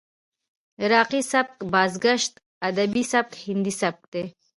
عراقي سبک، بازګشت ادبي سبک، هندي سبک دى.